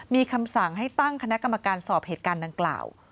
มีคำสั่งให้ตั้งคณะกรรมการสอบเหตุการณ์ดังกล่าว